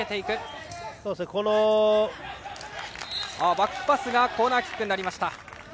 バックパスがコーナーキックになりました。